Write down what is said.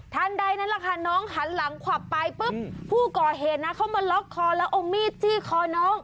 ใดนั่นแหละค่ะน้องหันหลังขวับไปปุ๊บผู้ก่อเหตุนะเข้ามาล็อกคอแล้วเอามีดจี้คอน้อง